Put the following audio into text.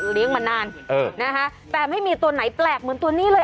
เลี้ยงมานานเออนะคะแต่ไม่มีตัวไหนแปลกเหมือนตัวนี้เลย